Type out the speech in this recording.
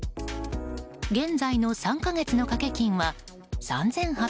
現在の３か月の掛け金は３８４０円。